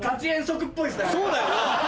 そうだよな！